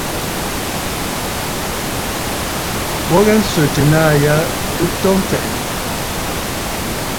Bɨ ghɛɛ nswɛ̀tə naà ya ɨ to mfɛ̀ʼɛ̀.